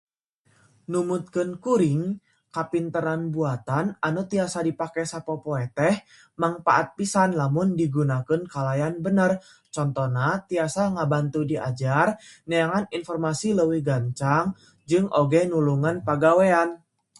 Numutkeun kuring, kapinteran buatan anu tiasa dipake sapopoe teh mangpaat pisan lamun digunakeun kalayan bener contona tiasa ngabantu diajar, neangan inpormasi leuwih gancang jeung oge nulungan pagawean.